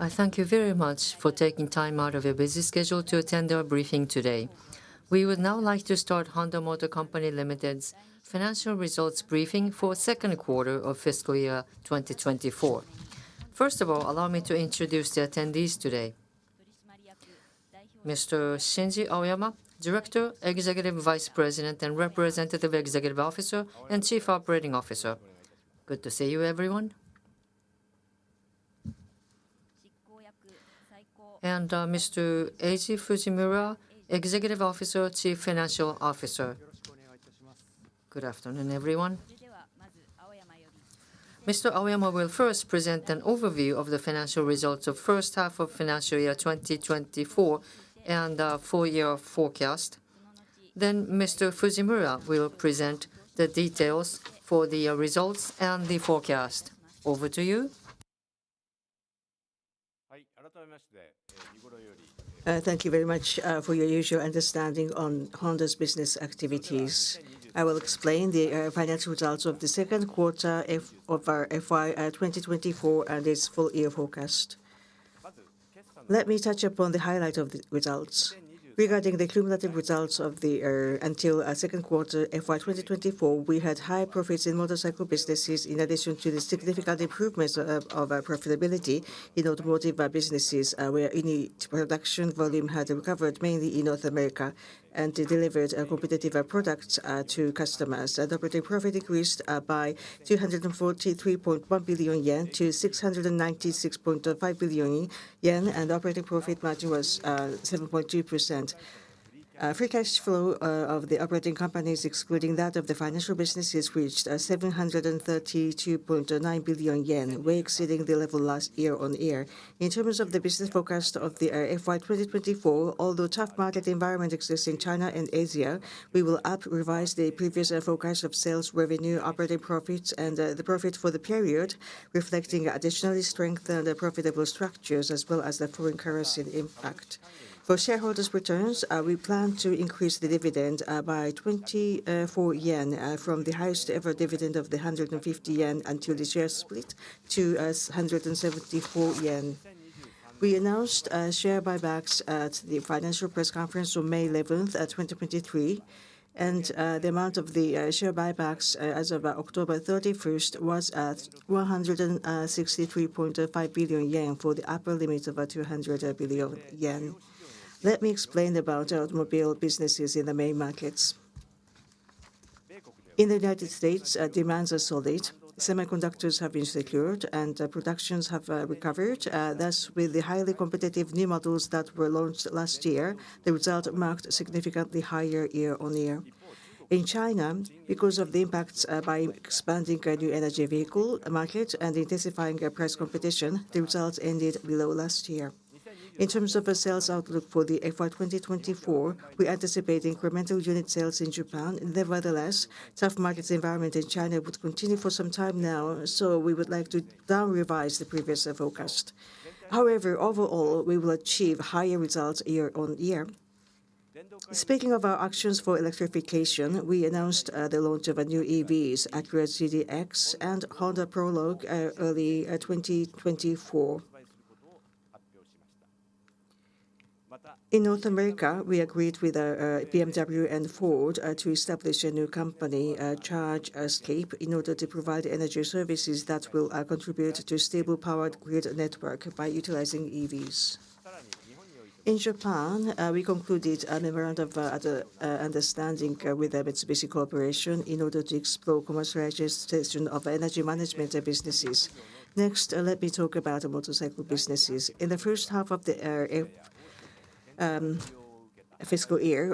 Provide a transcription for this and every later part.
I thank you very much for taking time out of your busy schedule to attend our briefing today. We would now like to start Honda Motor Co., Ltd.'s financial results briefing for second quarter of fiscal year 2024. First of all, allow me to introduce the attendees today. Mr. Shinji Aoyama, Director, Executive Vice President, and Representative Executive Officer and Chief Operating Officer. Good to see you, everyone. And Mr. Eiji Fujimura, Executive Officer, Chief Financial Officer. Good afternoon, everyone. Mr. Aoyama will first present an overview of the financial results of first half of fiscal year 2024, and full year forecast. Then Mr. Fujimura will present the details for the results and the forecast. Over to you. Thank you very much for your usual understanding on Honda's business activities. I will explain the financial results of the second quarter of our FY 2024, and its full year forecast. Let me touch upon the highlight of the results. Regarding the cumulative results of the until second quarter FY 2024, we had high profits in motorcycle businesses, in addition to the significant improvements of our profitability in automotive businesses, where unit production volume had recovered, mainly in North America, and delivered competitive products to customers. Operating profit increased by 243.1 billion yen to 696.5 billion yen, and operating profit margin was 7.2%. Free cash flow of the operating companies, excluding that of the financial businesses, reached 732.9 billion yen, way exceeding the level last year-on-year. In terms of the business forecast of the FY 2024, although tough market environment exists in China and Asia, we will up revise the previous forecast of sales revenue, operating profits, and the profit for the period, reflecting additionally strength and the profitable structures, as well as the foreign currency impact. For shareholders' returns, we plan to increase the dividend by 24 yen from the highest ever dividend of 150 yen until the share split, to 174 yen. We announced share buybacks at the financial press conference on May 11, 2023, and the amount of the share buybacks as of October 31 was at 163.5 billion yen, for the upper limit of 200 billion yen. Let me explain about automobile businesses in the main markets. In the United States, demands are solid, semiconductors have been secured, and productions have recovered. Thus, with the highly competitive new models that were launched last year, the result marked significantly higher year-on-year. In China, because of the impacts by expanding our new energy vehicle market and intensifying our price competition, the results ended below last year. In terms of a sales outlook for the FY 2024, we anticipate incremental unit sales in Japan. Nevertheless, tough market environment in China would continue for some time now, so we would like to down revise the previous forecast. However, overall, we will achieve higher results year-on-year. Speaking of our actions for electrification, we announced the launch of a new EVs, Acura ZDX and Honda Prologue, early 2024. In North America, we agreed with BMW and Ford to establish a new company, ChargeScape, in order to provide energy services that will contribute to stable powered grid network by utilizing EVs. In Japan, we concluded a memorandum of understanding with Mitsubishi Corporation in order to explore commercialization of energy management and businesses. Next, let me talk about the motorcycle businesses. In the first half of the fiscal year,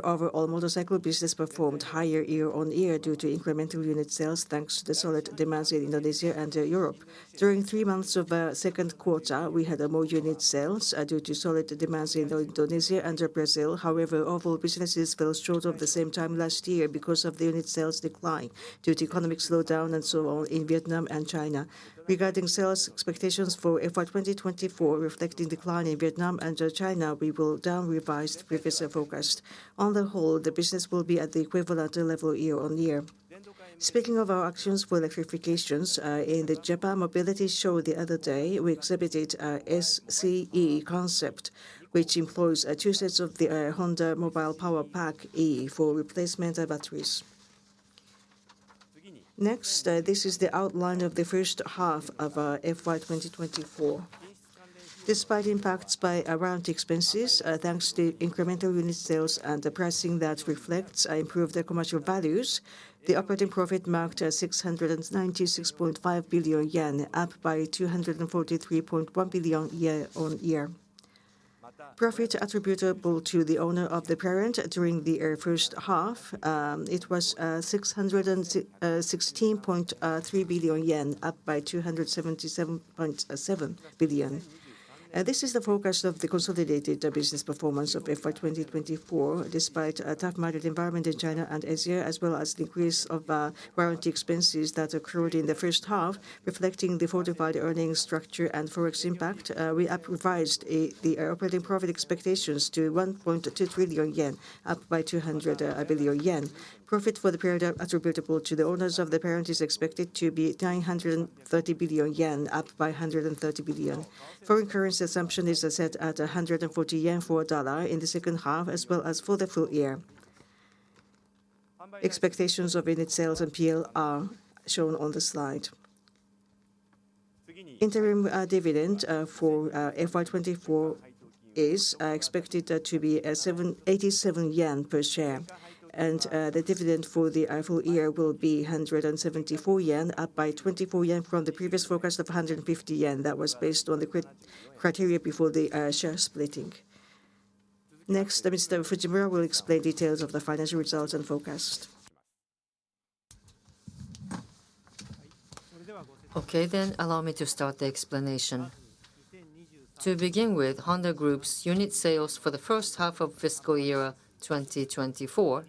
overall motorcycle business performed higher year-on-year due to incremental unit sales, thanks to the solid demands in Indonesia and Europe. During three months of second quarter, we had more unit sales due to solid demands in Indonesia and Brazil. However, overall businesses fell short of the same time last year because of the unit sales decline due to economic slowdown and so on in Vietnam and China. Regarding sales expectations for FY 2024, reflecting decline in Vietnam and China, we will down revise the previous year forecast. On the whole, the business will be at the equivalent level year-on-year. Speaking of our actions for electrifications, in the Japan Mobility Show the other day, we exhibited our SC e: Concept, which employs two sets of the Honda Mobile Power Pack e: for replacement batteries. Next, this is the outline of the first half of FY 2024. Despite impacts by around expenses, thanks to incremental unit sales and the pricing that reflects improved commercial values, the operating profit marked at 696.5 billion yen, up by 243.1 billion yen year-on-year. Profit attributable to the owner of the parent during the first half, it was 616.3 billion yen, up by 277.7 billion. This is the forecast of the consolidated business performance of FY 2024. Despite a tough market environment in China and Asia, as well as the increase of warranty expenses that occurred in the first half, reflecting the fortified earnings structure and Forex impact, we up revised the operating profit expectations to 1.2 trillion yen, up by 200 billion yen. Profit for the period attributable to the owners of the parent is expected to be 930 billion yen, up by 130 billion. Foreign currency assumption is set at 140 yen for a dollar in the second half, as well as for the full year. Expectations of unit sales and PL are shown on the slide. Interim dividend for FY2024 is expected to be 78.7 yen per share. The dividend for the full year will be 174 yen, up by 24 yen from the previous forecast of 150 yen. That was based on the criteria before the share splitting. Next, Mr. Fujimura will explain details of the financial results and forecast. Okay, then allow me to start the explanation. To begin with, Honda Group's unit sales for the first half of fiscal year 2024,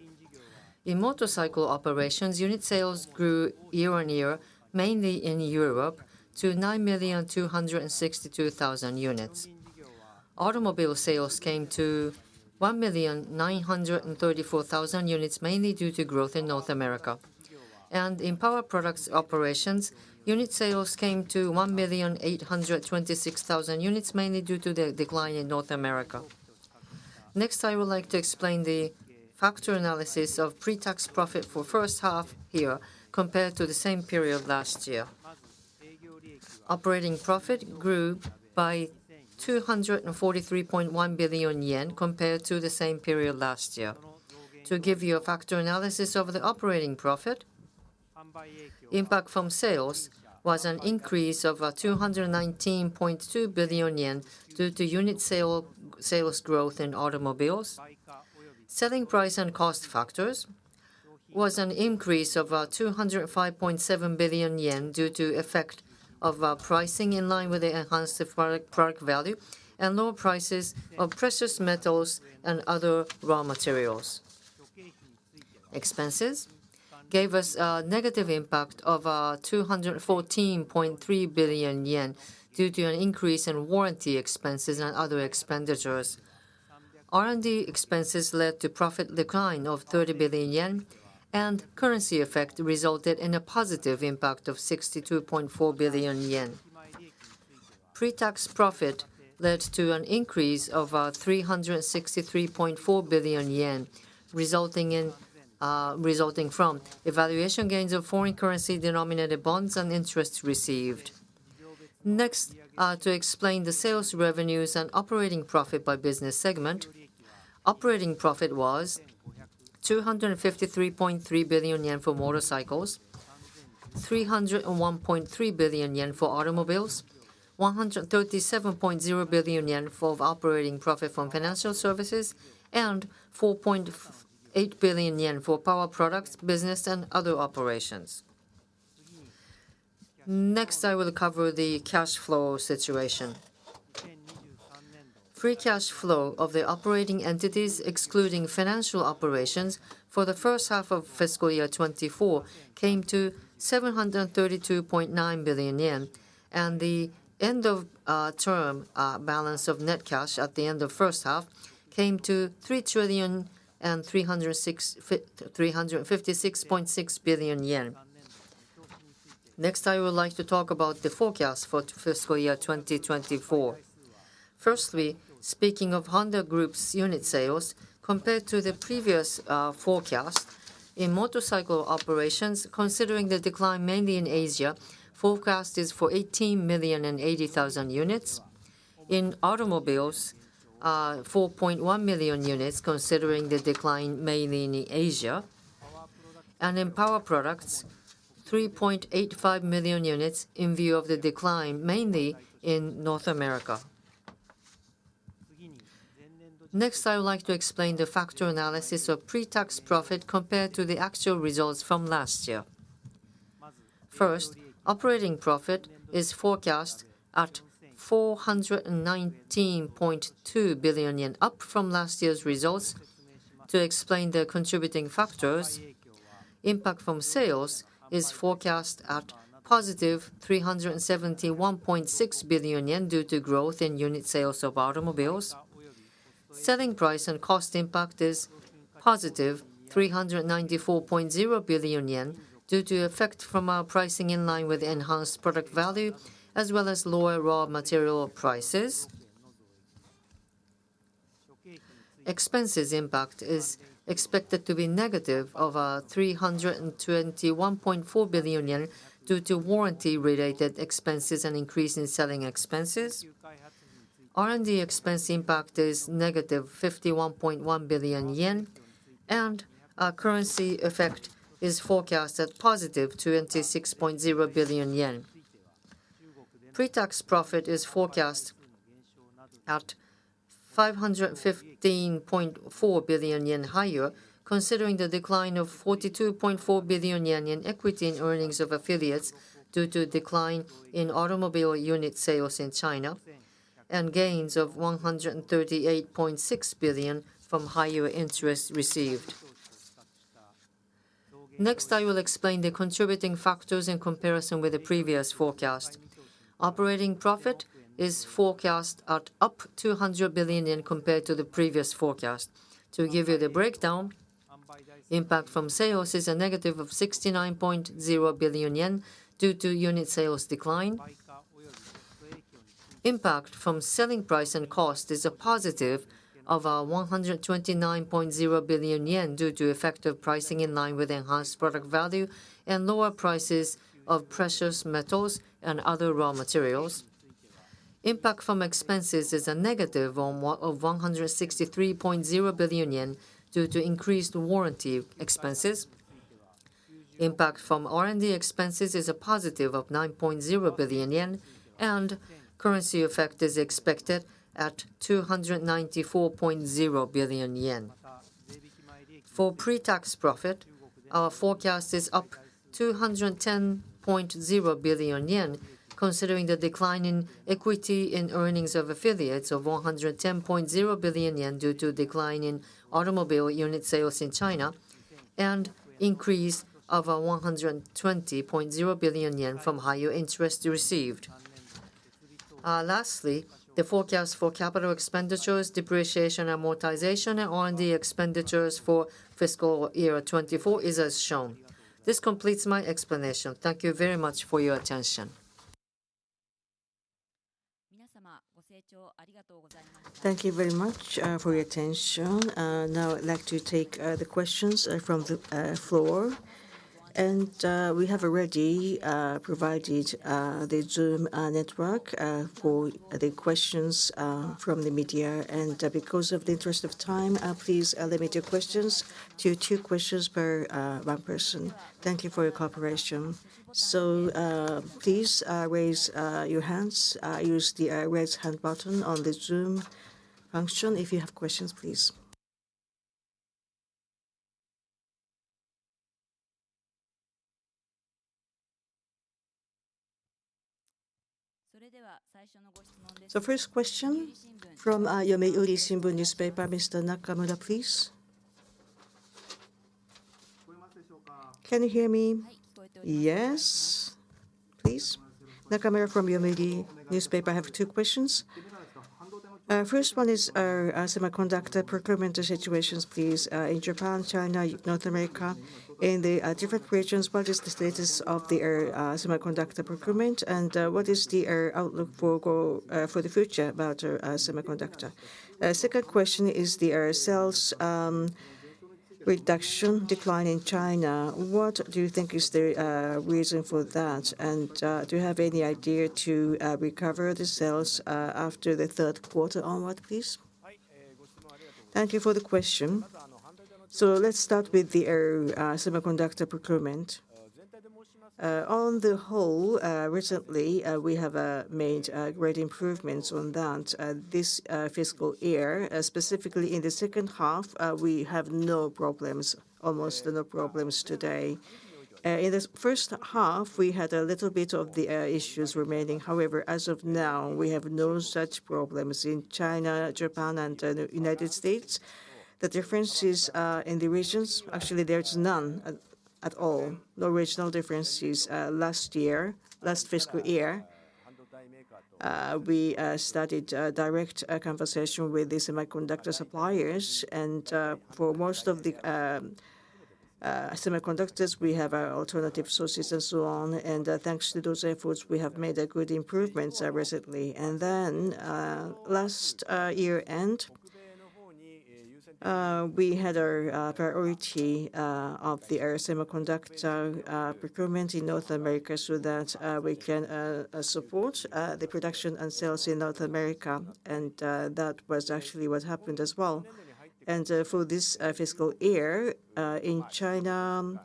in motorcycle operations, unit sales grew year-on-year, mainly in Europe, to 9,262,000 units. Automobile sales came to 1,934,000 units, mainly due to growth in North America. In power products operations, unit sales came to 1,826,000 units, mainly due to the decline in North America. Next, I would like to explain the factor analysis of pre-tax profit for first half year compared to the same period last year. Operating profit grew by 243.1 billion yen, compared to the same period last year. To give you a factor analysis of the operating profit, impact from sales was an increase of 219.2 billion yen, due to unit sales growth in automobiles. Selling price and cost factors was an increase of 205.7 billion yen, due to effect of pricing in line with the enhanced product value and lower prices of precious metals and other raw materials. Expenses gave us a negative impact of 214.3 billion yen, due to an increase in warranty expenses and other expenditures. R&D expenses led to profit decline of 30 billion yen, and currency effect resulted in a positive impact of 62.4 billion yen. Pre-tax profit led to an increase of 363.4 billion yen, resulting from evaluation gains of foreign currency denominated bonds and interests received. Next, to explain the sales revenues and operating profit by business segment. Operating profit was 253.3 billion yen for motorcycles, 301.3 billion yen for automobiles, 137.0 billion yen for operating profit from financial services, and 4.8 billion yen for power products, business and other operations. Next, I will cover the cash flow situation. Free cash flow of the operating entities, excluding financial operations, for the first half of fiscal year 2024, came to 732.9 billion yen, and the end of term balance of net cash at the end of first half came to 3,356.6 billion yen. Next, I would like to talk about the forecast for fiscal year 2024. Firstly, speaking of Honda Group's unit sales, compared to the previous forecast, in motorcycle operations, considering the decline mainly in Asia, forecast is for 18,080,000 units. In automobiles, 4.1 million units, considering the decline mainly in Asia. And in power products, 3.85 million units, in view of the decline, mainly in North America. Next, I would like to explain the factor analysis of pre-tax profit compared to the actual results from last year. First, operating profit is forecast at 419.2 billion yen, up from last year's results. To explain the contributing factors, impact from sales is forecast at +371.6 billion yen, due to growth in unit sales of automobiles. Selling price and cost impact is +394.0 billion yen, due to effect from our pricing in line with enhanced product value, as well as lower raw material prices. Expenses impact is expected to be negative of 321.4 billion yen, due to warranty-related expenses and increase in selling expenses. R&D expense impact is -51.1 billion yen, and our currency effect is forecast at +26.0 billion yen. Pre-tax profit is forecast at 515.4 billion yen higher, considering the decline of 42.4 billion yen in equity and earnings of affiliates, due to decline in automobile unit sales in China, and gains of 138.6 billion from higher interest received. Next, I will explain the contributing factors in comparison with the previous forecast. Operating profit is forecast at up to 100 billion yen compared to the previous forecast. To give you the breakdown, impact from sales is a negative of 69.0 billion yen, due to unit sales decline. Impact from selling price and cost is +129.0 billion yen due to effective pricing in line with enhanced product value and lower prices of precious metals and other raw materials. Impact from expenses is -163.0 billion yen due to increased warranty expenses. Impact from R&D expenses is +9.0 billion yen, and currency effect is expected at +294.0 billion yen. For pre-tax profit, our forecast is up +210.0 billion yen, considering the decline in equity and earnings of affiliates of -110.0 billion yen due to decline in automobile unit sales in China, and increase of +120.0 billion yen from higher interest received. Lastly, the forecast for capital expenditures, depreciation, amortization, and R&D expenditures for fiscal year 2024 is as shown. This completes my explanation. Thank you very much for your attention. Thank you very much for your attention. Now I'd like to take the questions from the floor. We have already provided the Zoom network for the questions from the media. Because of the interest of time, please limit your questions to two questions per one person. Thank you for your cooperation. Please raise your hands. Use the raise hand button on the Zoom function if you have questions, please. First question from Yomiuri Shimbun, Mr. Nakamura, please. Can you hear me? Yes. Please. Nakamura from Yomiuri Shimbun. I have two questions. First one is semiconductor procurement situations, please. In Japan, China, North America, in the different regions, what is the status of the semiconductor procurement, and what is the outlook for the future about semiconductor? Second question is the sales reduction decline in China. What do you think is the reason for that? And do you have any idea to recover the sales after the third quarter onward, please? Thank you for the question. So let's start with the semiconductor procurement. On the whole, recently, we have made great improvements on that. This fiscal year, specifically in the second half, we have no problems, almost no problems today. In the first half, we had a little bit of the issues remaining. However, as of now, we have no such problems in China, Japan, and the United States. The differences in the regions, actually, there's none at all, no regional differences. Last year, last fiscal year, we started a direct conversation with the semiconductor suppliers, and for most of the semiconductors, we have alternative sources and so on. And, thanks to those efforts, we have made a good improvements recently. Then, last year end, we had our priority of the semiconductor procurement in North America so that we can support the production and sales in North America, and that was actually what happened as well. For this fiscal year, in China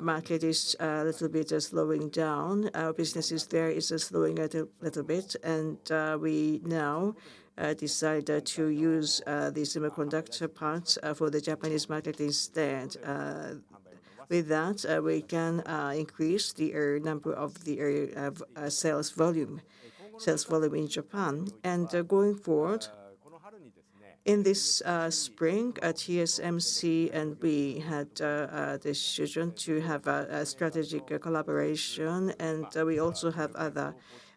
market is little bit slowing down. Our businesses there is slowing a little bit, and we now decide to use the semiconductor parts for the Japanese market instead. With that, we can increase the number of the sales volume, sales volume in Japan. Going forward, in this spring, at TSMC, and we had a decision to have a strategic collaboration, and we also have other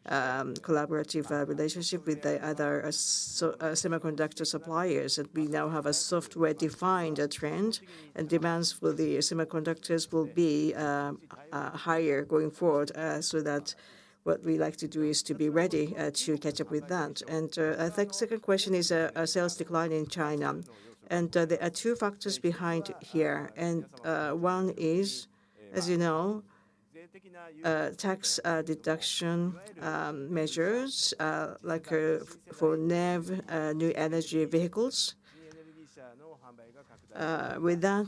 collaborative relationship with the other semiconductor suppliers. That we now have a software-defined trend, and demands for the semiconductors will be higher going forward. So what we like to do is to be ready to catch up with that. And, I think second question is a sales decline in China, and there are two factors behind here. And, one is, as you know, tax deduction measures like for NEV, New Energy Vehicles. With that,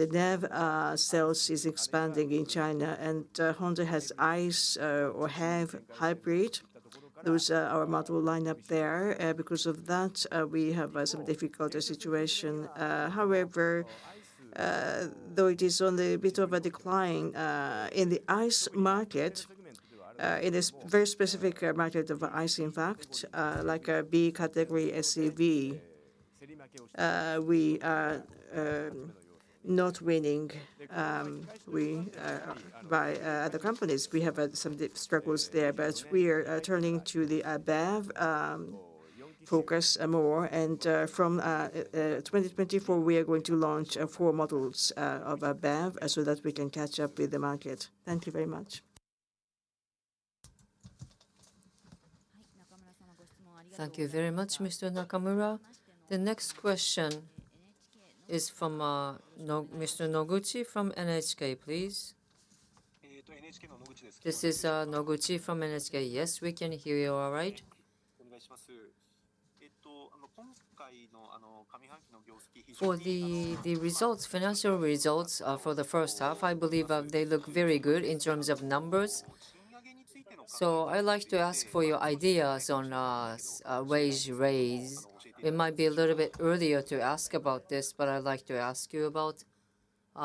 the NEV sales is expanding in China, and Honda has ICE or HEV, hybrid. Those are our model lineup there. Because of that, we have some difficult situation. However, though it is on the bit of a decline, in the ICE market, in a very specific market of ICE, in fact, like, B category SUV, we are not winning, we by other companies. We have some struggles there, but we are turning to the BEV.... focus more. And from 2024, we are going to launch 4 models of BEV, so that we can catch up with the market. Thank you very much. Thank you very much, Mr. Nakamura. The next question is from Mr. Noguchi from NHK, please. This is Noguchi from NHK. Yes, we can hear you all right. For the results, financial results, for the first half, I believe they look very good in terms of numbers. So I'd like to ask for your ideas on a wage raise. It might be a little bit earlier to ask about this, but I'd like to ask you about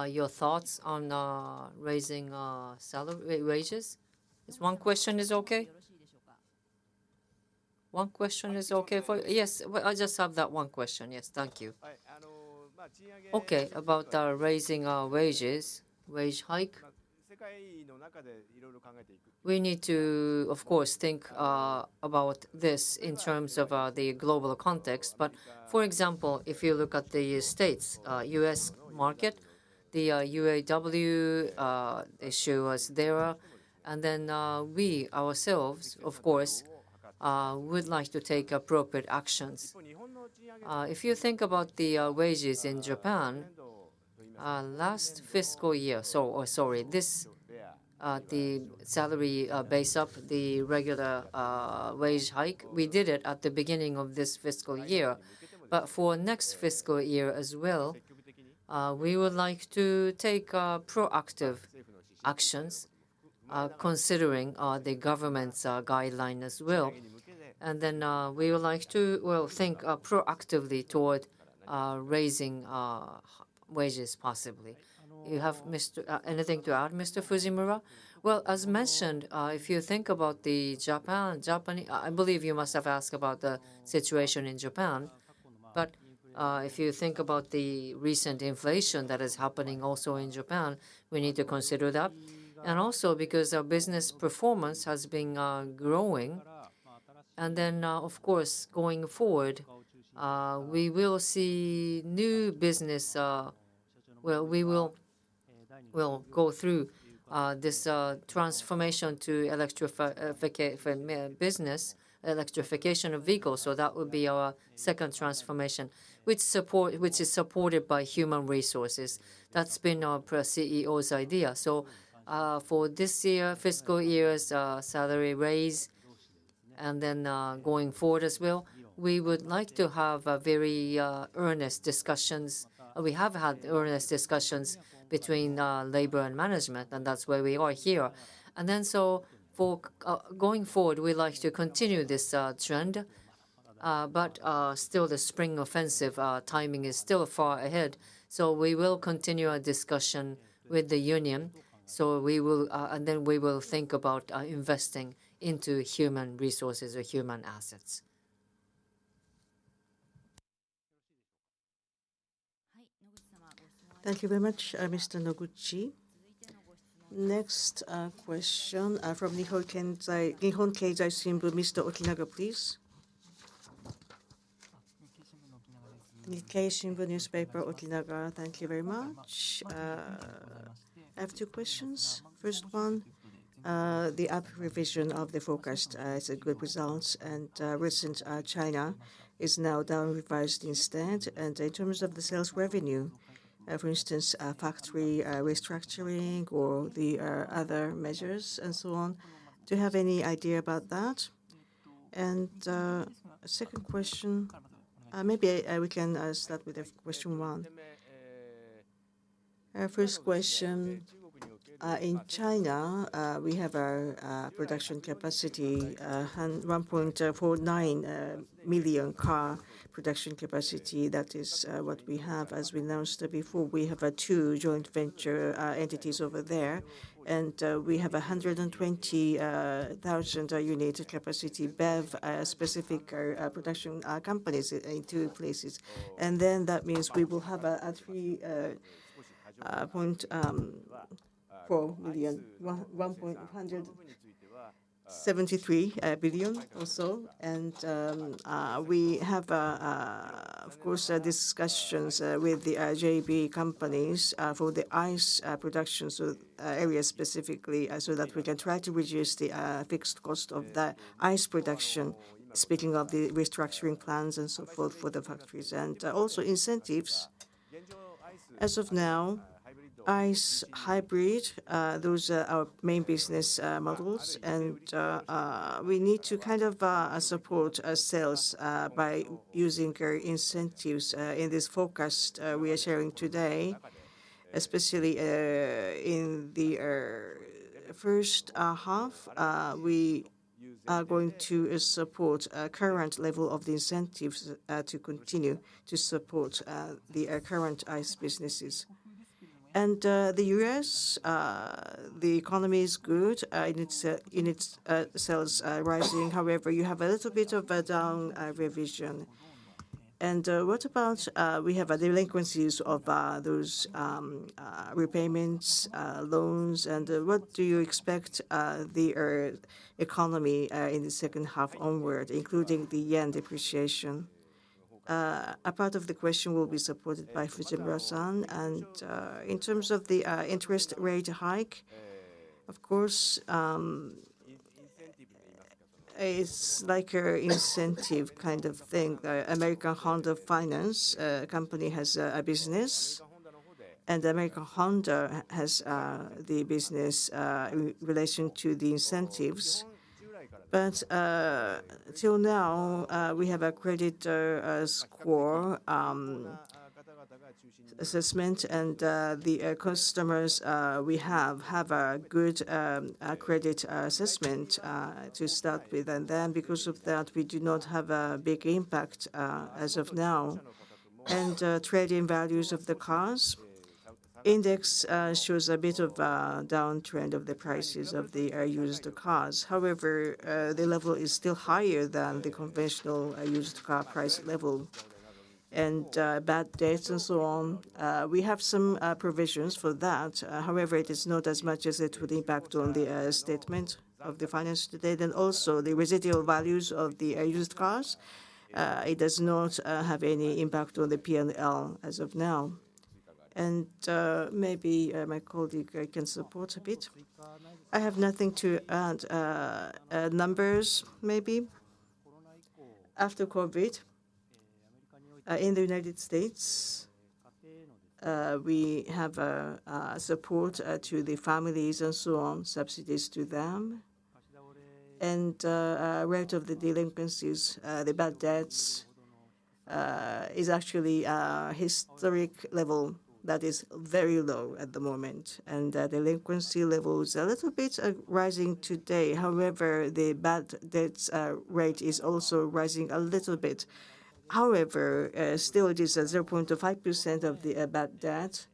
your thoughts on raising salary, wages. Is one question okay? One question is okay. Yes, well, I just have that one question. Yes, thank you. Okay, about raising wages, wage hike. We need to, of course, think about this in terms of the global context. But for example, if you look at the States, U.S. market, the UAW issue was there. We, ourselves, of course, would like to take appropriate actions. If you think about the wages in Japan, last fiscal year, this, the salary base up, the regular wage hike, we did it at the beginning of this fiscal year. But for next fiscal year as well, we would like to take proactive actions, considering the government's guideline as well. And then, we would like to, well, think proactively toward raising wages possibly. You have, Mr., anything to add, Mr. Fujimura? Well, as mentioned, if you think about the Japanese. I believe you must have asked about the situation in Japan. But, if you think about the recent inflation that is happening also in Japan, we need to consider that, and also because our business performance has been growing. And then, of course, going forward, we will see new business, where we will go through this transformation to electrification for business of vehicles. So that would be our second transformation, which is supported by human resources. That's been our President CEO's idea. So, for this year, fiscal year's salary raise, and then, going forward as well, we would like to have a very earnest discussions. We have had earnest discussions between labor and management, and that's where we are here. And then, so for going forward, we'd like to continue this trend. But still the Spring Offensive timing is still far ahead, so we will continue our discussion with the union. So we will, and then we will think about investing into human resources or human assets. Thank you very much, Mr. Noguchi. Next, question from Mr. Okinaga, please.... Newspaper, Okinaga. Thank you very much. I have two questions. First one, the up revision of the forecast is a good result, and recent China is now down revised instead. And in terms of the sales revenue, for instance, factory restructuring or the other measures, and so on, do you have any idea about that? And second question... Maybe we can start with question one. First question, in China we have a production capacity, 1.49 million car production capacity. That is what we have. As we announced before, we have two joint venture entities over there. And we have 120,000 unit capacity, BEV specific production companies in two places. Then that means we will have a 3.4 million, 1.173 billion or so. We have, of course, discussions with the JV companies for the ICE production so area specifically so that we can try to reduce the fixed cost of the ICE production, speaking of the restructuring plans and so forth for the factories. Also incentives. As of now, ICE hybrid, those are our main business models, and we need to kind of support sales by using incentives in this forecast we are sharing today. Especially, in the first half, we are going to support a current level of the incentives to continue to support the current ICE businesses. And, the U.S. economy is good in its sales rising. However, you have a little bit of a down revision. ... and, what about we have delinquencies of those repayments loans? And, what do you expect the economy in the second half onward, including the yen depreciation? A part of the question will be supported by Fujimura-san. And, in terms of the interest rate hike, of course, it's like a incentive kind of thing. American Honda Finance company has a business, and American Honda has the business in relation to the incentives. But, till now, we have a credit score assessment, and the customers we have have a good credit assessment to start with. And then because of that, we do not have a big impact as of now. And, trade-in values of the cars. Index shows a bit of a downtrend of the prices of the used cars. However, the level is still higher than the conventional used car price level. And bad debts and so on, we have some provisions for that. However, it is not as much as it would impact on the statement of the financial data. Then also, the residual values of the used cars, it does not have any impact on the PNL as of now. And maybe my colleague can support a bit. I have nothing to add. Numbers, maybe. After COVID, in the United States, we have support to the families and so on, subsidies to them. And rate of the delinquencies, the bad debts, is actually a historic level that is very low at the moment. And delinquency level is a little bit rising today. However, the bad debts rate is also rising a little bit. However, still it is at 0.5% of the bad debt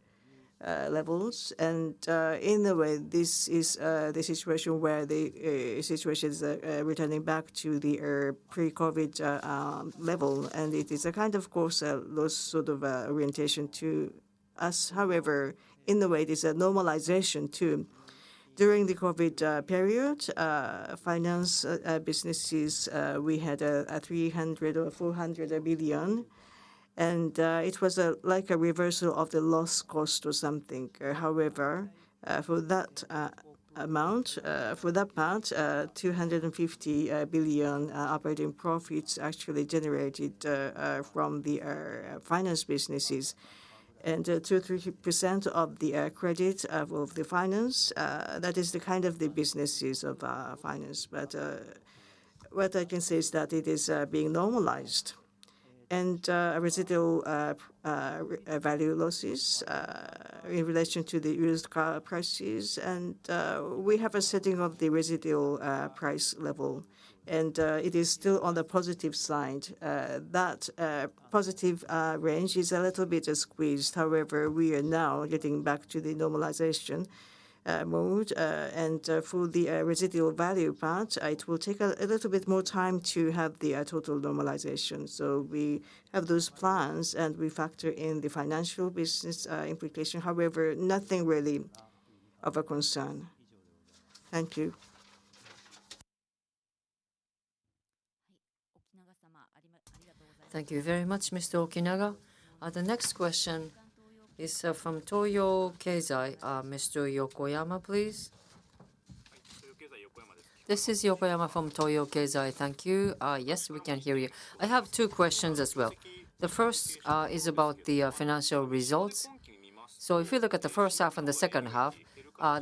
levels. And in a way, this is the situation where the situation is returning back to the pre-COVID level. And it is a kind of, course, a loss sort of orientation to us. However, in a way, it is a normalization, too. During the COVID period, finance businesses, we had 300 billion or 400 billion, and it was like a reversal of the loss cost or something. However, for that amount, for that part, 250 billion operating profits actually generated from the finance businesses. And 2-3% of the credit of the finance, that is the kind of the businesses of finance. But what I can say is that it is being normalized. And residual value losses in relation to the used car prices, and we have a setting of the residual price level, and it is still on the positive side. That positive range is a little bit squeezed. However, we are now getting back to the normalization mode. And for the residual value part, it will take a little bit more time to have the total normalization. So we have those plans, and we factor in the financial business implication. However, nothing really of a concern. Thank you. Thank you very much, Mr. Okinaga. The next question is from Toyo Keizai. Mr. Yokoyama, please. This is Yokoyama from Toyo Keizai. Thank you. Yes, we can hear you. I have two questions as well. The first is about the financial results. So if you look at the first half and the second half,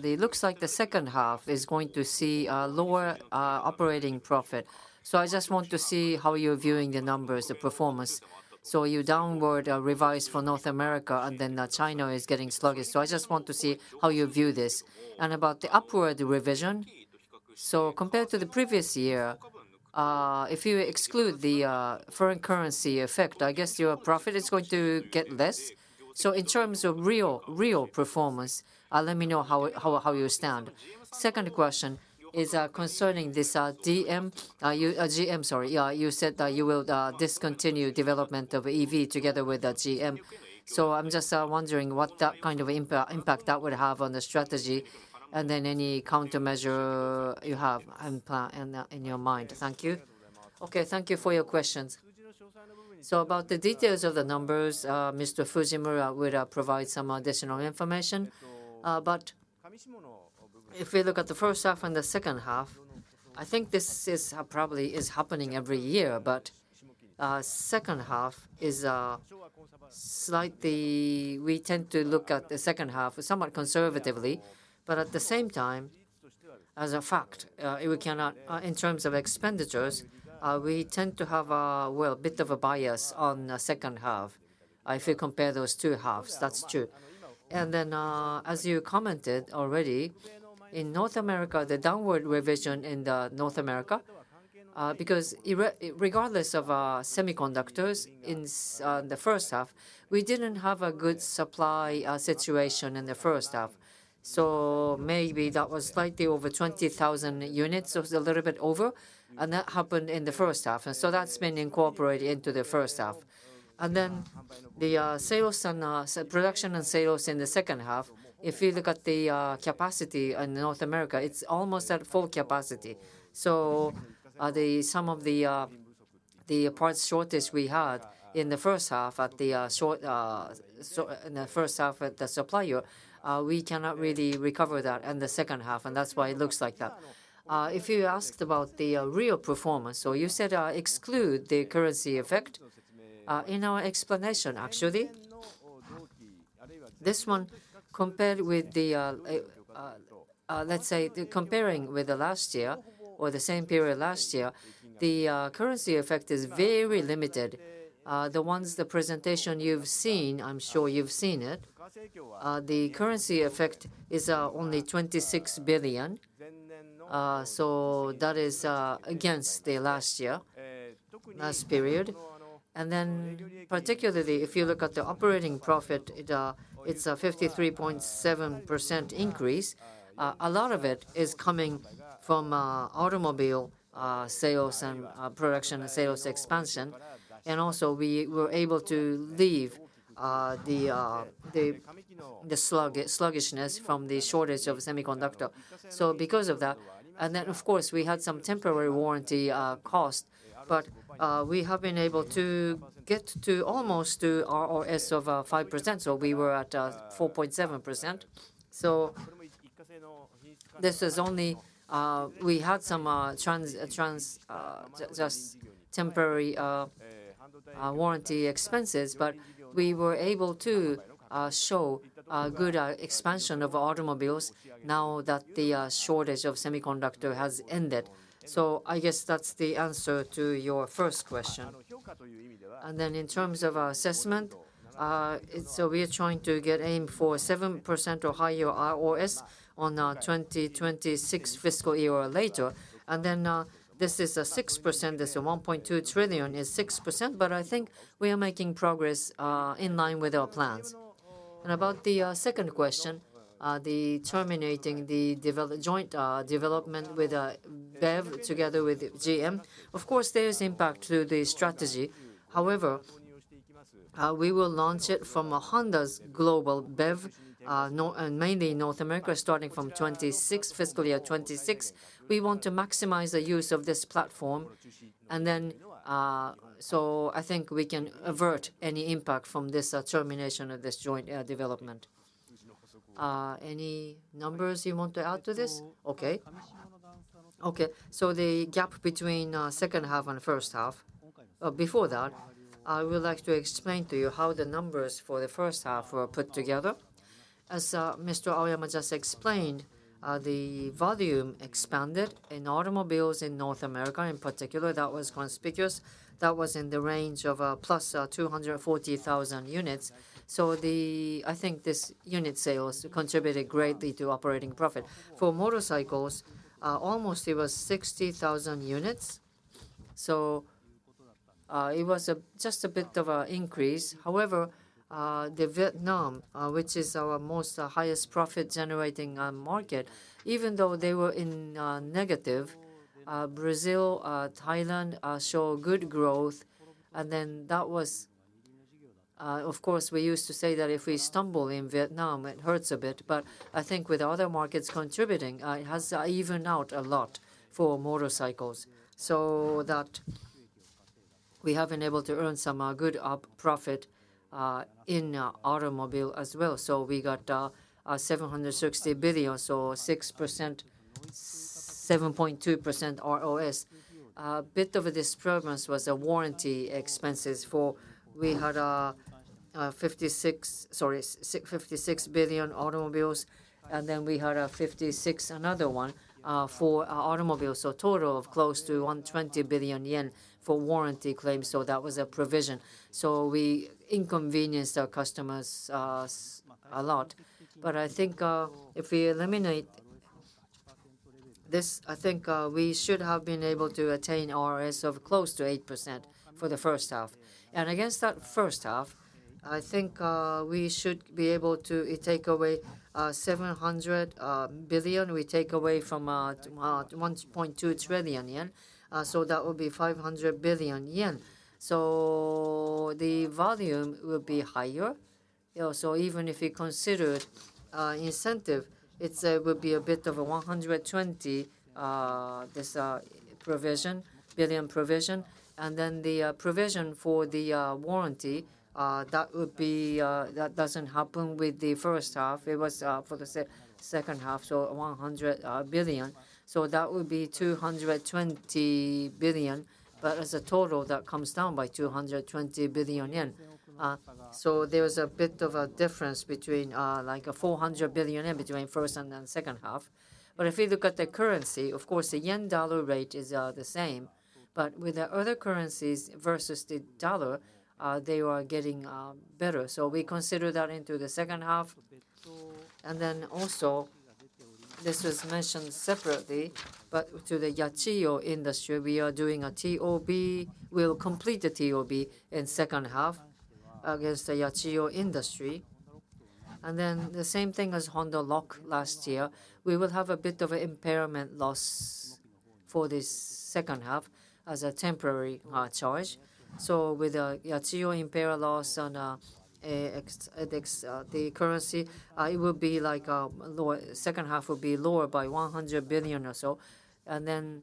looks like the second half is going to see a lower operating profit. So I just want to see how you're viewing the numbers, the performance. So you downward revise for North America, and then China is getting sluggish. So I just want to see how you view this. And about the upward revision, so compared to the previous year, if you exclude the foreign currency effect, I guess your profit is going to get less. So in terms of real, real performance, let me know how you stand. Second question is concerning this GM, sorry. You said that you will discontinue development of EV together with GM. So I'm just wondering what that kind of impact that would have on the strategy, and then any countermeasure you have and plan in your mind. Thank you. Okay, thank you for your questions. So about the details of the numbers, Mr. Fujimura will provide some additional information. But if we look at the first half and the second half, I think this is probably is happening every year, but second half is slightly... We tend to look at the second half somewhat conservatively, but at the same time, as a fact, we cannot in terms of expenditures we tend to have a well bit of a bias on the second half, if you compare those two halves. That's true. And then, as you commented already, in North America, the downward revision in the North America-... because regardless of semiconductors in the first half, we didn't have a good supply situation in the first half. So maybe that was slightly over 20,000 units, so it's a little bit over, and that happened in the first half, and so that's been incorporated into the first half. And then the sales and so production and sales in the second half, if you look at the capacity in North America, it's almost at full capacity. So, some of the parts shortage we had in the first half at the supplier, we cannot really recover that in the second half, and that's why it looks like that. If you asked about the real performance, so you said exclude the currency effect in our explanation, actually, this one, compared with let's say comparing with the last year or the same period last year, the currency effect is very limited. The ones, the presentation you've seen, I'm sure you've seen it, the currency effect is only 26 billion. So that is against the last year, last period. And then particularly, if you look at the operating profit, it's a 53.7% increase. A lot of it is coming from automobile sales and production and sales expansion, and also we were able to leave the sluggishness from the shortage of semiconductor. So because of that... Of course, we had some temporary warranty cost, but we have been able to get to almost to ROS of 5%, so we were at 4.7%. So this is only we had some just temporary warranty expenses, but we were able to show a good expansion of automobiles now that the shortage of semiconductor has ended. So I guess that's the answer to your first question. In terms of our assessment, so we are trying to get aim for 7% or higher ROS on 2026 fiscal year or later. Then this is a 6%, this 1.2 trillion is 6%, but I think we are making progress in line with our plans. About the second question, the terminating the joint development with BEV, together with GM. Of course, there is impact to the strategy. However, we will launch it from Honda's global BEV, and mainly North America, starting from 2026, fiscal year 2026. We want to maximize the use of this platform, and then, so I think we can avert any impact from this termination of this joint development. Any numbers you want to add to this? Okay. Okay, so the gap between second half and first half. Before that, I would like to explain to you how the numbers for the first half were put together. As Mr. Aoyama just explained, the volume expanded in automobiles in North America in particular. That was conspicuous. That was in the range of +240,000 units. So the... I think this unit sales contributed greatly to operating profit. For motorcycles, almost it was 60,000 units, so it was just a bit of an increase. However, the Vietnam, which is our most highest profit-generating market, even though they were in negative, Brazil, Thailand show good growth. And then that was, of course, we used to say that if we stumble in Vietnam, it hurts a bit. But I think with other markets contributing, it has evened out a lot for motorcycles. So that we have been able to earn some good profit in automobile as well. So we got 760 billion, so 6%, 7.2% ROS. A bit of this progress was a warranty expenses. We had 56 billion for automobiles, and then we had 56 billion, another one, for automobiles. So a total of close to 120 billion yen for warranty claims, so that was a provision. So we inconvenienced our customers a lot. But I think if we eliminate this, I think we should have been able to attain ROS of close to 8% for the first half. And against that first half, I think we should be able to take away 700 billion. We take away from 1.2 trillion yen, so that will be 500 billion yen. So the volume will be higher. So even if you consider incentive, it will be a bit of a 120 billion provision. And then the provision for the warranty that would be. That doesn't happen with the first half. It was for the second half, so 100 billion. So that would be 220 billion, but as a total, that comes down by 220 billion yen. So there is a bit of a difference between like a 400 billion yen between first and then second half. But if you look at the currency, of course, the yen-dollar rate is the same, but with the other currencies versus the dollar, they are getting better. So we consider that into the second half.... and then also, this was mentioned separately, but to the Yachiyo Industry, we are doing a TOB. We'll complete the TOB in second half against the Yachiyo Industry. And then the same thing as Honda Lock last year, we will have a bit of an impairment loss for this second half as a temporary charge. So with the Yachiyo impairment loss on the currency, it will be like lower; second half will be lower by 100 billion or so. And then,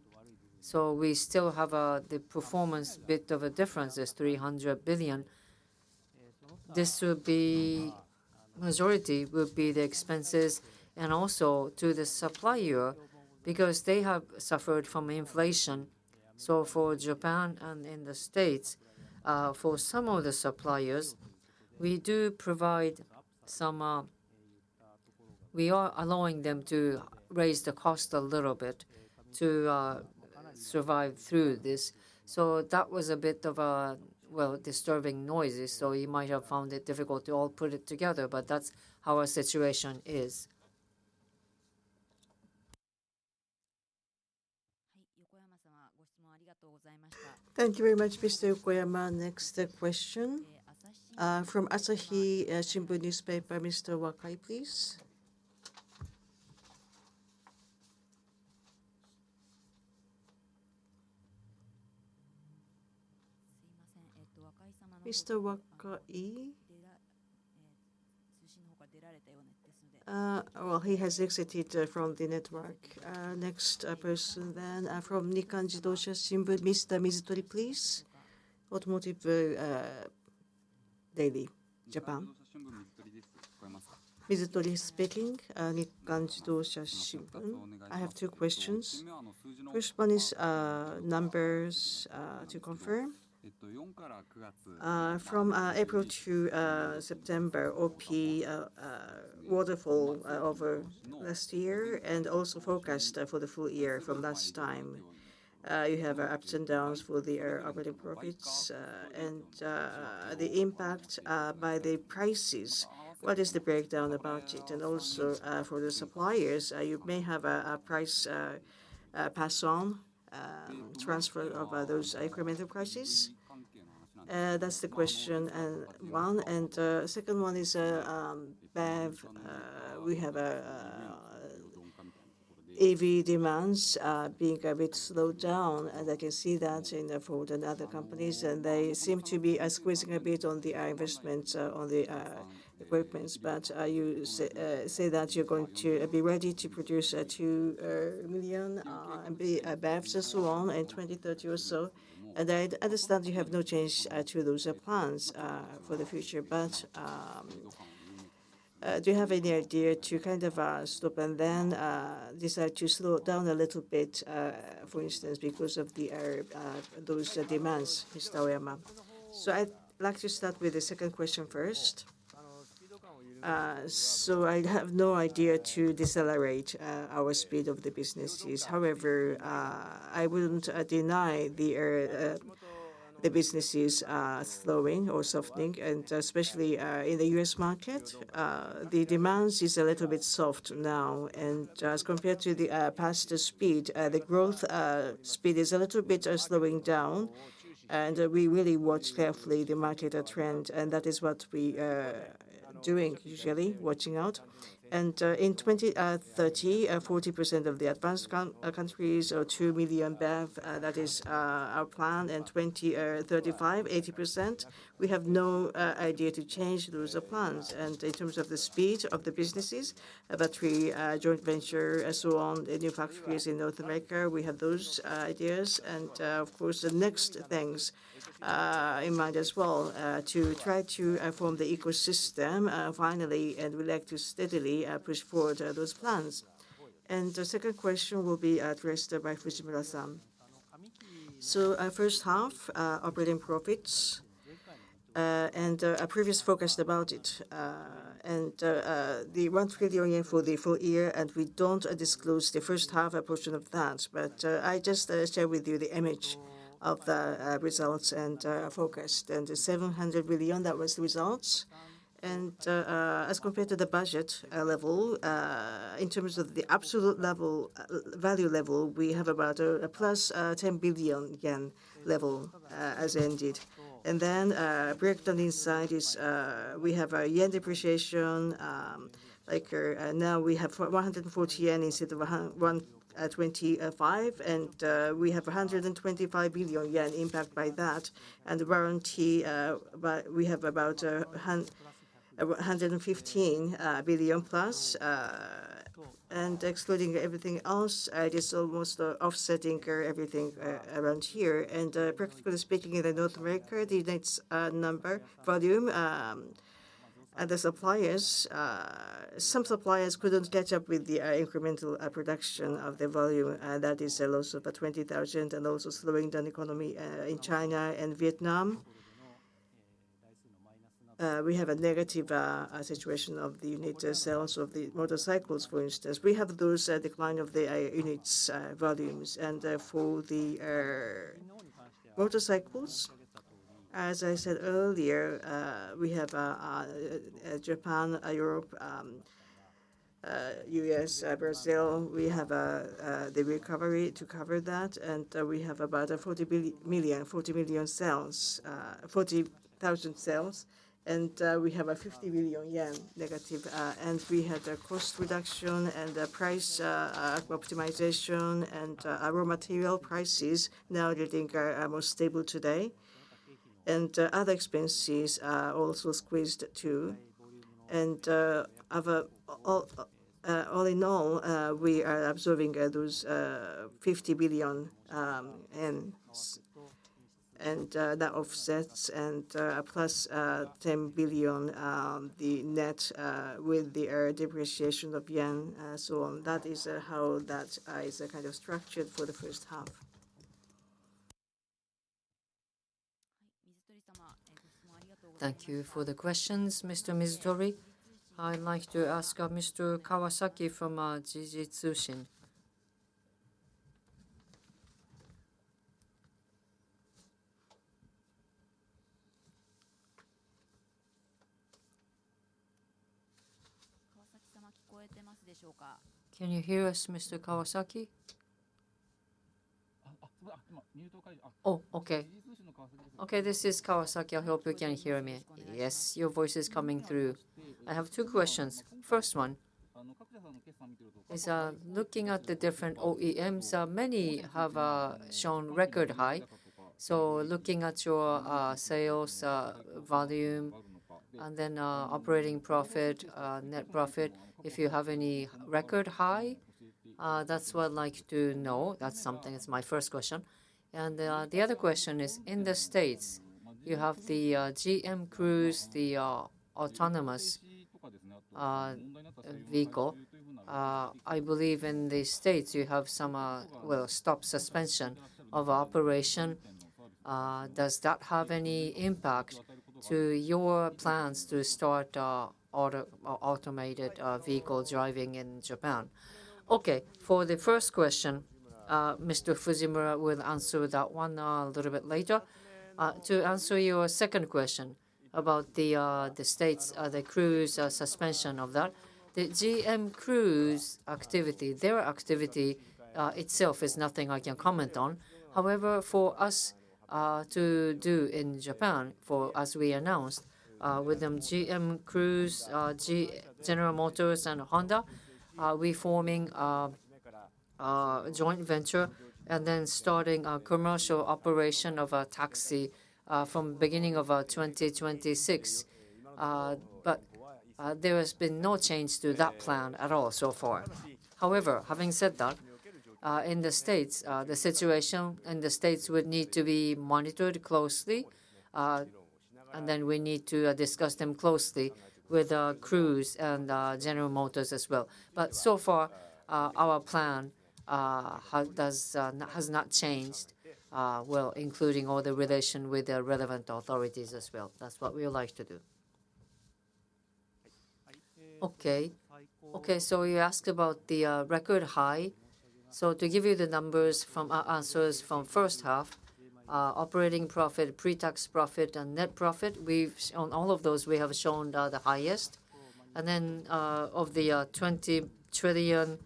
so we still have the performance bit of a difference is 300 billion. This will be, majority will be the expenses and also to the supplier, because they have suffered from inflation. So for Japan and in the States, for some of the suppliers, we do provide some... We are allowing them to raise the cost a little bit to survive through this. So that was a bit of a, well, disturbing noises, so you might have found it difficult to all put it together, but that's how our situation is. Thank you very much, Mr. Yokoyama. Next question, from Asahi Shimbun Newspaper. Mr. Wakai, please. Mr. Wakai? Well, he has exited from the network. Next person then from Nikkan Motor Shimbun, Mr. Mizutori, please. Automotive Daily Japan. Mizutori speaking, Nikkan Motor Shimbun. I have two questions. First one is, numbers to confirm. From April to September, OP waterfall over last year, and also forecast for the full year from last time. You have ups and downs for the operating profits, and the impact by the prices. What is the breakdown about it? And also, for the suppliers, you may have a price pass on, transfer of those incremental prices. That's the question one. Second one is BEV. We have EV demands being a bit slowed down, as I can see that in Ford and other companies, and they seem to be squeezing a bit on the investments on the equipments. But you say that you're going to be ready to produce 2 million BEVs and so on in 2030 or so. And I understand you have no change to those plans for the future. But do you have any idea to kind of stop and then decide to slow down a little bit, for instance, because of those demands, Mr. Yokoyama? So I'd like to start with the second question first. So I have no idea to decelerate our speed of the businesses. However, I wouldn't deny the business is slowing or softening, and especially in the U.S. market, the demands is a little bit soft now. As compared to the past speed, the growth speed is a little bit slowing down, and we really watch carefully the market trend, and that is what we doing, usually, watching out. In 2030, 40% of the advanced countries or 2 million BEV, that is our plan, and 2035, 80%, we have no idea to change those plans. In terms of the speed of the businesses, battery, joint venture, and so on, the new factories in North America, we have those ideas. Of course, the next things in mind as well, to try to form the ecosystem finally, and we'd like to steadily push forward those plans. The second question will be addressed by Fujimura-san. So, first half, operating profits, and our previous forecast about it. And, the 1 trillion for the full year, and we don't disclose the first half portion of that, but, I just share with you the image of the results and forecast. And the 700 billion, that was the results. And, as compared to the budget level, in terms of the absolute level value level, we have about a + 10 billion yen level, as ended. And then, breakdown inside is, we have a yen depreciation. Like, now we have 140 yen instead of 125, and we have a 125 billion yen impact by that. And warranty, by... We have about 115 billion+. Excluding everything else, it is almost offsetting everything around here. Practically speaking, in North America, the units number volume, and the suppliers, some suppliers couldn't catch up with the incremental production of the volume, that is a loss of about 20,000, and also slowing down economy in China and Vietnam. We have a negative situation of the unit sales of the motorcycles, for instance. We have those decline of the units volumes, and therefore, the motorcycles. As I said earlier, we have Japan, Europe, U.S., Brazil, we have the recovery to cover that, and we have about a 40 billion, 40 million sales, 40,000 sales. And we have a 50 million yen negative. And we had a cost reduction and a price optimization, and our material prices now we think are more stable today. And other expenses are also squeezed, too. And other, all in all, we are observing those 50 billion, and that offsets, and plus 10 billion, the net with the depreciation of yen, so on. That is, how that is kind of structured for the first half. Thank you for the questions, Mr. Mizutori. I'd like to ask, Mr. Kawasaki from, Jiji Tsushin. Can you hear us, Mr. Kawasaki? Oh, okay. Okay, this is Kawasaki. I hope you can hear me. Yes, your voice is coming through. I have two questions. First one is, looking at the different OEMs, many have shown record high. So looking at your, sales, volume, and then, operating profit, net profit, if you have any record high? That's what I'd like to know. That's something, it's my first question. And, the other question is, in the States, you have the, GM Cruise, the, autonomous, vehicle. I believe in the States you have some, well, stop suspension of operation. Does that have any impact to your plans to start automated vehicle driving in Japan? Okay, for the first question, Mr. Fujimura will answer that one a little bit later. To answer your second question about the States, the Cruise suspension of that. The GM Cruise activity, their activity itself is nothing I can comment on. However, for us to do in Japan, for as we announced with them GM Cruise, General Motors and Honda, we forming a joint venture, and then starting a commercial operation of a taxi from beginning of 2026. But there has been no change to that plan at all so far. However, having said that, in the States, the situation in the States would need to be monitored closely. And then we need to discuss them closely with Cruise and General Motors as well. But so far, our plan has not changed, well, including all the relation with the relevant authorities as well. That's what we would like to do. Okay. Okay, so you asked about the record high. So to give you the numbers from our answers from first half, operating profit, pre-tax profit, and net profit, we've... On all of those, we have shown the highest. And then, of the 20 trillion,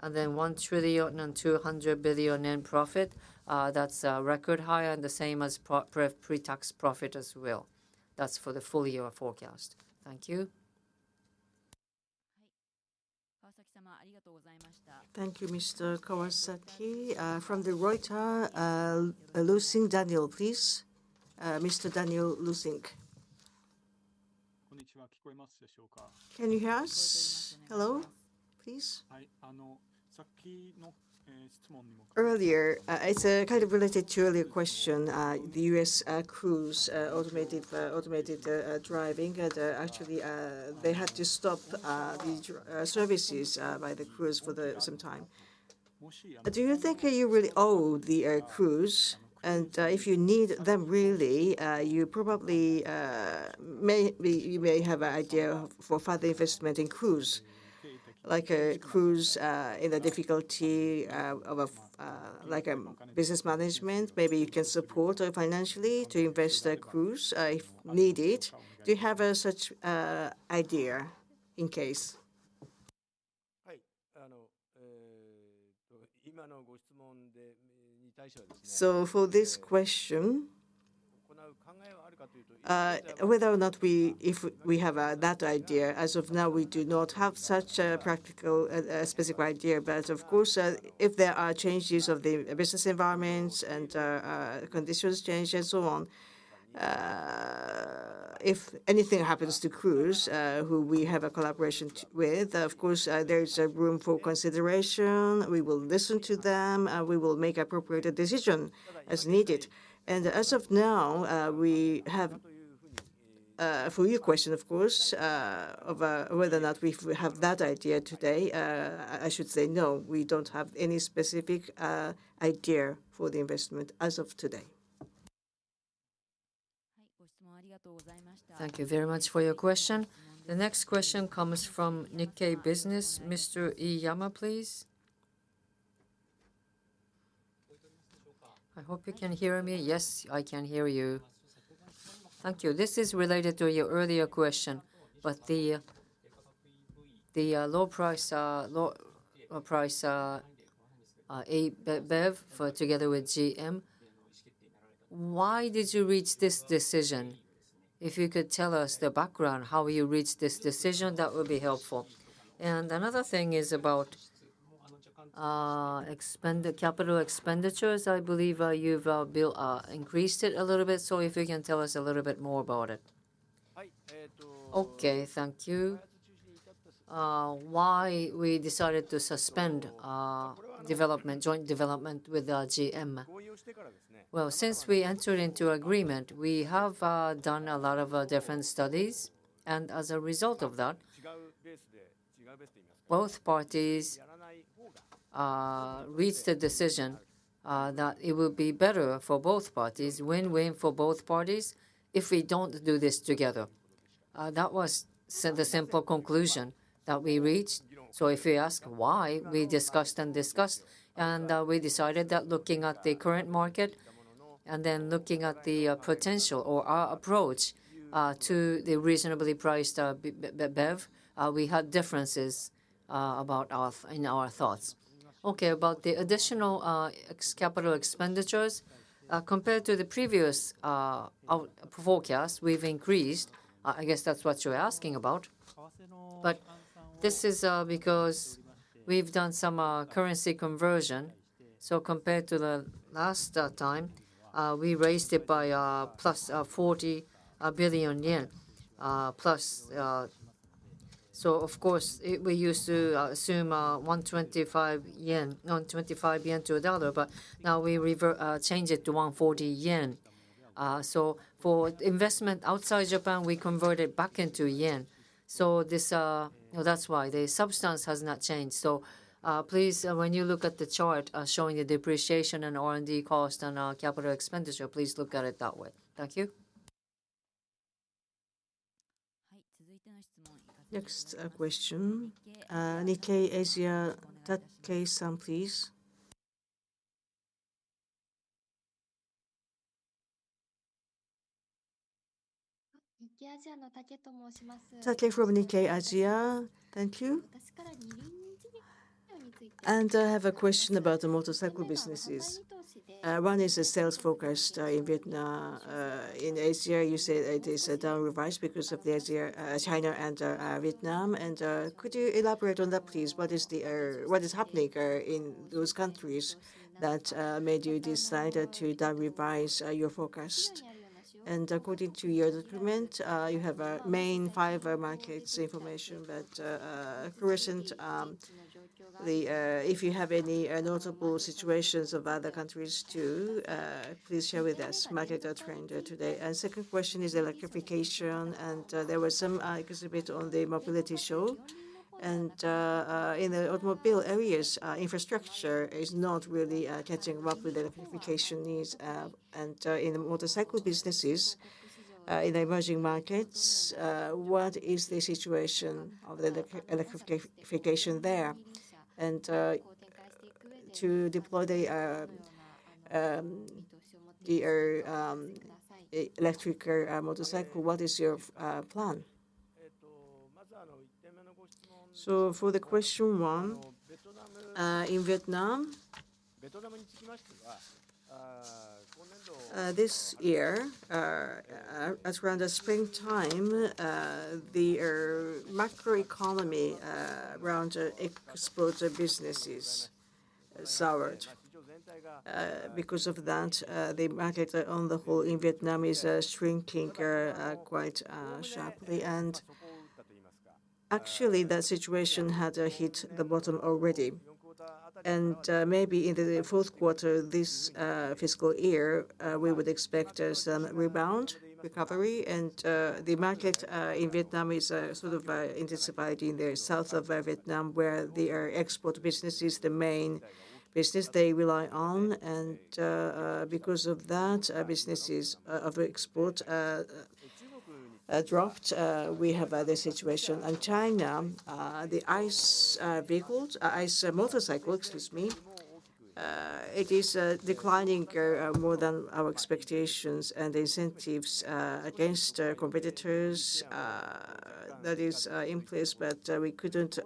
and then 1.2 trillion in profit, that's a record high and the same as pre-tax profit as well. That's for the full year forecast. Thank you. Thank you, Mr. Kawasaki. From Reuters, Daniel Leussink please. Mr. Daniel Leussink. Can you hear us? Hello, please. Earlier, it's kind of related to earlier question, the U.S., Cruise, automated driving. And, actually, they had to stop services by the Cruise for some time. Do you think you really own the Cruise? And, if you need them really, you probably may be, you may have an idea for further investment in Cruise. Like, Cruise in a difficulty of a, like a business management, maybe you can support financially to invest Cruise, if needed. Do you have such idea in case? So for this question, whether or not we, if we have that idea, as of now, we do not have such a practical, specific idea. But of course, if there are changes of the business environments and, conditions change and so on, if anything happens to Cruise, who we have a collaboration with, of course, there is room for consideration. We will listen to them, we will make appropriate decision as needed. And as of now, we have, for your question, of course, of, whether or not we have that idea today, I should say no, we don't have any specific, idea for the investment as of today. Thank you very much for your question. The next question comes from Nikkei Business. Mr. Iiyama, please.... I hope you can hear me. Yes, I can hear you. Thank you. This is related to your earlier question, but the low price BEV together with GM, why did you reach this decision? If you could tell us the background, how you reached this decision, that would be helpful. And another thing is about capital expenditures. I believe you've increased it a little bit, so if you can tell us a little bit more about it. Okay, thank you. Why we decided to suspend development, joint development with GM? Well, since we entered into agreement, we have done a lot of different studies, and as a result of that, both parties reached a decision that it would be better for both parties, win-win for both parties, if we don't do this together. That was the simple conclusion that we reached. So if you ask why, we discussed and discussed, and we decided that looking at the current market, and then looking at the potential or our approach to the reasonably priced BEV, we had differences about our... in our thoughts. Okay, about the additional capital expenditures compared to the previous forecast, we've increased. I guess that's what you're asking about. But this is because we've done some currency conversion, so compared to the last time, we raised it by plus 40 billion. So of course, we used to assume 125 yen, 125 yen to a dollar, but now we change it to 140 yen. So for investment outside Japan, we convert it back into yen. So this... That's why. The substance has not changed. So please, when you look at the chart showing the depreciation and R&D cost and capital expenditure, please look at it that way. Thank you. Next, question. Nikkei Asia, Takei-san, please. Takei from Nikkei Asia. Thank you. And I have a question about the motorcycle businesses. One is the sales forecast in Vietnam. In Asia, you said it is a down revise because of Asia, China and Vietnam. And could you elaborate on that, please? What is happening in those countries that made you decide to down revise your forecast? And according to your document, you have a main five markets information, but recent the... If you have any notable situations of other countries, too, please share with us. Market trend today. And second question is electrification, and there was some exhibit on the mobility show. In the automobile areas, infrastructure is not really catching up with the electrification needs. In the motorcycle businesses, in the emerging markets, what is the situation of the electrification there? To deploy the electric motorcycle, what is your plan? So for the question one, in Vietnam, this year, around the springtime, the macroeconomy around export businesses soured. Because of that, the market on the whole in Vietnam is shrinking quite sharply. And actually, the situation had hit the bottom already, and maybe in the fourth quarter, this fiscal year, we would expect some rebound recovery. And the market in Vietnam is sort of anticipated in the south of Vietnam, where the export business is the main business they rely on. And because of that, businesses of export dropped. We have other situation. In China, the ICE vehicles, ICE motorcycles, excuse me, it is declining more than our expectations and the incentives against competitors that is in place, but we couldn't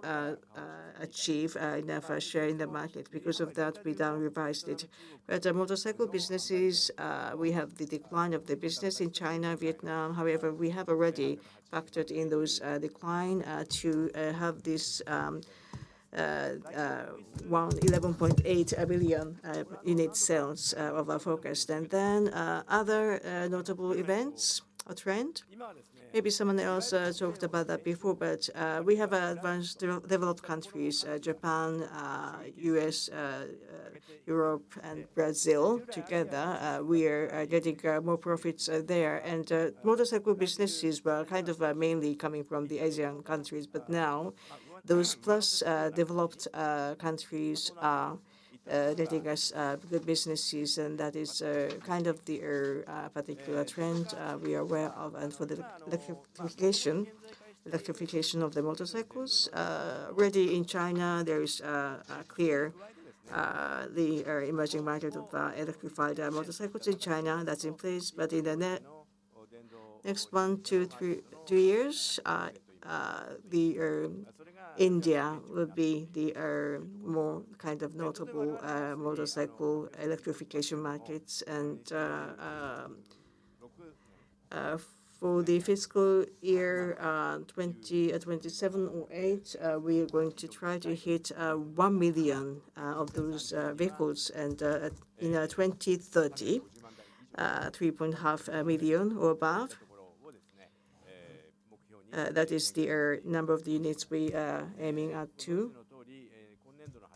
achieve enough share in the market. Because of that, we down revised it. But the motorcycle businesses, we have the decline of the business in China, Vietnam. However, we have already factored in those decline to have this well 11.8 billion in its sales of our forecast. And then, other notable events or trend, maybe someone else talked about that before, but we have advanced developed countries, Japan, U.S., Europe, and Brazil together. We are getting more profits there. Motorcycle businesses were kind of mainly coming from the Asian countries, but now those plus developed countries are getting us good businesses, and that is kind of the particular trend we are aware of. For the electrification of the motorcycles, already in China, there is a clear emerging market of electrified motorcycles in China that's in place. But in the next 1, 2, 3 years, India will be the more kind of notable motorcycle electrification markets. For the fiscal year 2027 or 2028, we are going to try to hit 1 million of those vehicles. In 2030, 3.5 million or about that is the number of units we are aiming at to.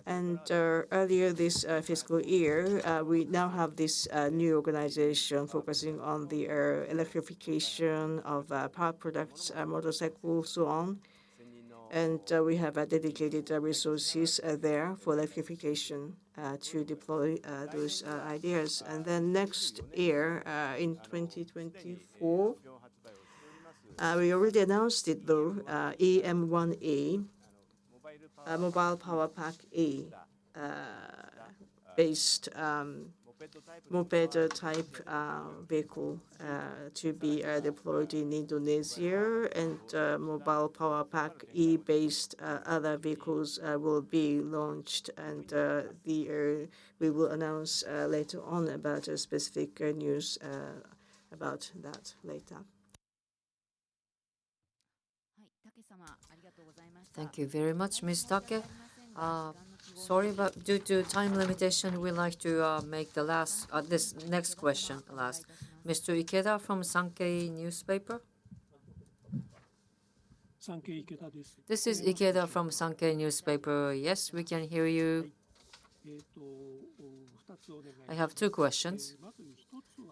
Earlier this fiscal year, we now have this new organization focusing on the electrification of power products, motorcycle, so on. We have dedicated resources there for electrification to deploy those ideas. And then next year, in 2024, we already announced it, though, EM1 e:, Mobile Power Pack e: based moped-type vehicle to be deployed in Indonesia. Mobile Power Pack e:-based other vehicles will be launched. We will announce later on about a specific news about that later. Thank you very much, Ms. Takei. Sorry, but due to time limitation, we'd like to make the last, this next question last. Mr. Ikeda from Sankei Newspaper? Sankei Ikeda. This is Ikeda from Sankei Newspaper. Yes, we can hear you. I have two questions.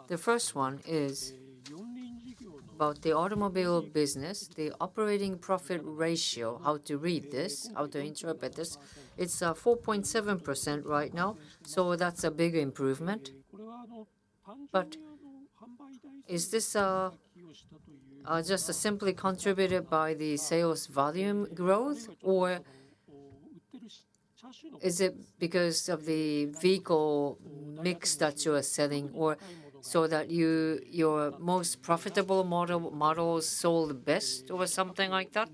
The first one is about the automobile business, the operating profit ratio, how to read this, how to interpret this. It's 4.7% right now, so that's a big improvement. But is this just simply contributed by the sales volume growth? Or is it because of the vehicle mix that you are selling, or so that your most profitable model, models sold best or something like that?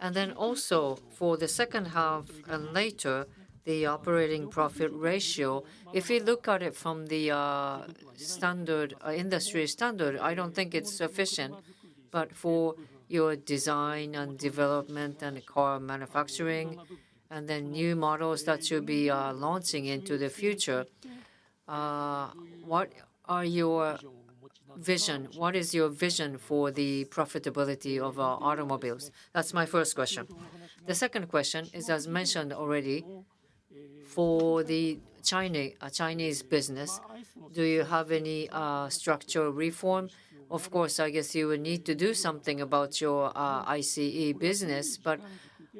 And then also, for the second half and later, the operating profit ratio, if you look at it from the standard, industry standard, I don't think it's sufficient. For your design and development and car manufacturing, and then new models that you'll be launching into the future, what are your vision? What is your vision for the profitability of automobiles? That's my first question. The second question is, as mentioned already, for the China, Chinese business, do you have any structural reform? Of course, I guess you will need to do something about your ICE business, but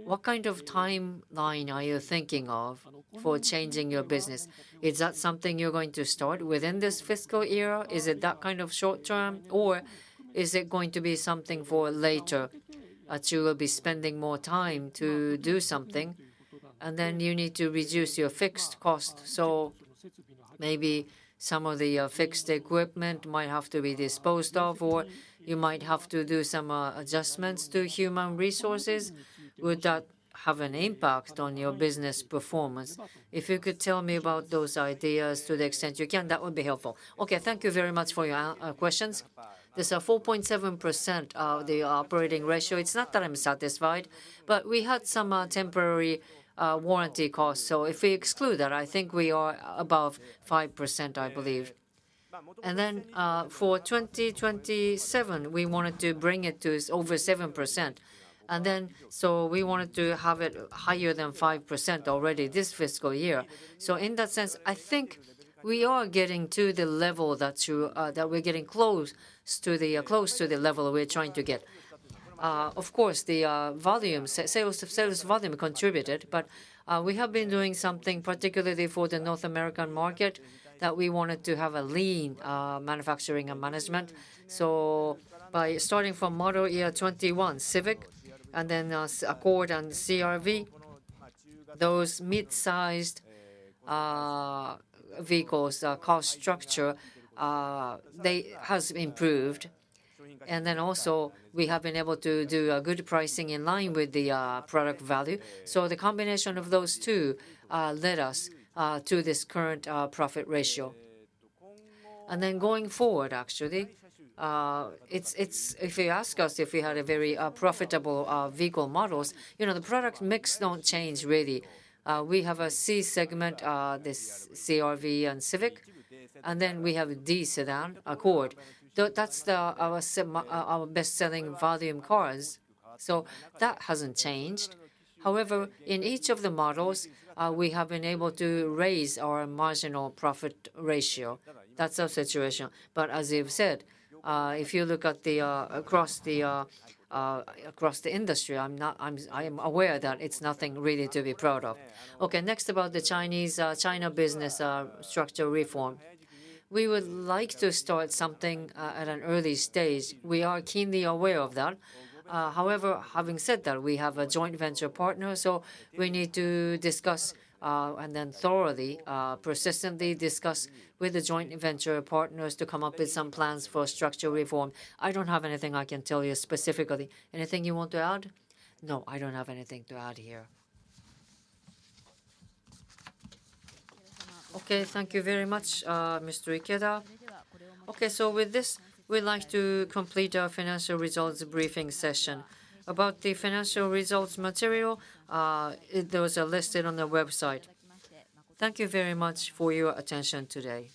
what kind of timeline are you thinking of for changing your business? Is that something you're going to start within this fiscal year? Is it that kind of short term, or is it going to be something for later, that you will be spending more time to do something, and then you need to reduce your fixed cost? Maybe some of the fixed equipment might have to be disposed of, or you might have to do some adjustments to human resources. Would that have an impact on your business performance? If you could tell me about those ideas to the extent you can, that would be helpful. Okay, thank you very much for your questions. There's a 4.7% operating ratio. It's not that I'm satisfied, but we had some temporary warranty costs. So if we exclude that, I think we are above 5%, I believe. And then, for 2027, we wanted to bring it to over 7%. And then, so we wanted to have it higher than 5% already this fiscal year. So in that sense, I think we are getting to the level that you... That we're getting close to the level we're trying to get. Of course, the volume, sales volume contributed, but we have been doing something, particularly for the North American market, that we wanted to have a lean manufacturing and management. So by starting from model year 2021 Civic, and then, Accord and CR-V, those mid-sized vehicles, cost structure, they has improved. And then also, we have been able to do good pricing in line with the product value. So the combination of those two led us to this current profit ratio. And then going forward, actually, it's if you ask us if we had a very profitable vehicle models, you know, the product mix don't change really. We have a C segment, this CR-V and Civic, and then we have D sedan, Accord. Though that's the same, our best-selling volume cars, so that hasn't changed. However, in each of the models, we have been able to raise our marginal profit ratio. That's our situation. But as you've said, if you look across the industry, I'm aware that it's nothing really to be proud of. Okay, next about the China business structural reform. We would like to start something at an early stage. We are keenly aware of that. However, having said that, we have a joint venture partner, so we need to discuss and then thoroughly, persistently discuss with the joint venture partners to come up with some plans for structural reform. I don't have anything I can tell you specifically. Anything you want to add? No, I don't have anything to add here. Okay, thank you very much, Mr. Ikeda. Okay, so with this, we'd like to complete our financial results briefing session. About the financial results material, those are listed on the website. Thank you very much for your attention today.